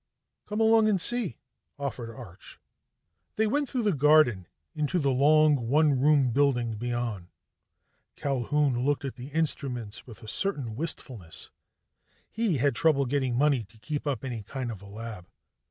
"Come along and see," offered Arch. They went through the garden and into the long one room building beyond. Culquhoun looked at the instruments with a certain wistfulness; he had trouble getting money to keep up any kind of lab.